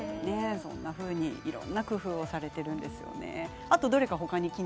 そんなふうに工夫をされているんですね。